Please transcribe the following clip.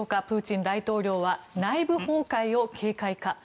プーチン大統領は内部崩壊を警戒か。